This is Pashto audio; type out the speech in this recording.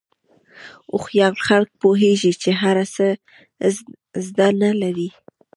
هوښیار خلک پوهېږي چې هر څه زده نه لري.